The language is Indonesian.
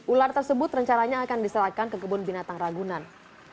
ular tersebut rencananya akan diserahkan ke kebun binatang ragunan